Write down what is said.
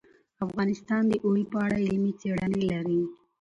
افغانستان د اوړي په اړه علمي څېړنې لري.